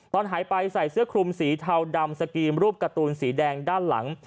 ตอนหายไปใส่เสื้อคลุมสีเทาดำสกรีมรูปการ์ตูนสีแดงด้านหลัง